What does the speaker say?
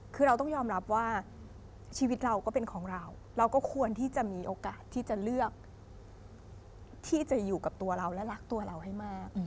คือเราต้องยอมรับว่าชีวิตเราก็เป็นของเราเราก็ควรที่จะมีโอกาสที่จะเลือกที่จะอยู่กับตัวเราและรักตัวเราให้มาก